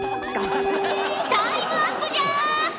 タイムアップじゃ！